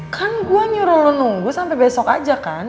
kan gue nyuruh lo nunggu sampe besok aja kan